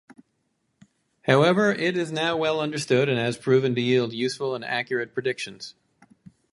However, it is now well understood and has proven to yield useful, accurate predictions.